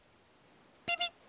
ピピッ！